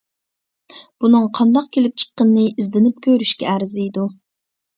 بۇنىڭ قانداق كېلىپ چىققىنىنى ئىزدىنىپ كۆرۈشكە ئەرزىيدۇ.